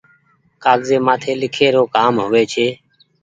ڪآگزي مآٿي لکي رو ڪآم هووي ڇي۔